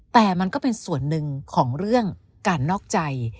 แต่มันก็เป็นส่วนหนึ่งของเรื่องการนอกใจ